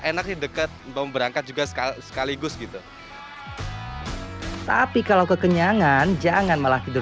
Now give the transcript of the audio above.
enak deket belum berangkat juga sekali sekaligus gitu tapi kalau kekenyangan jangan malah tidur